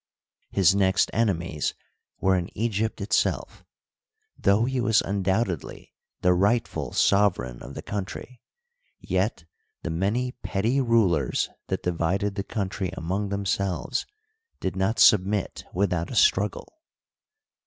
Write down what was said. His next enemies were in Egypt itself. Though he was un doubtedly the rightful sovereign of the country, yet the many petty rulers that divided the countr)' among them selves did not submit without a struggle.